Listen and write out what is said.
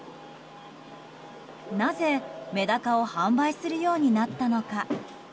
なぜメダカを販売するようになったのか。